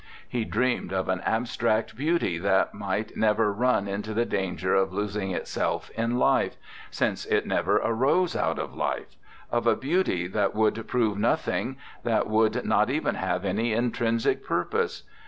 He dreamed of an abstract beauty that might never run into the danger of losing itself in life, since it never arose out of life, of a beauty that would prove nothing, that would not even have any intrinsic pur pose.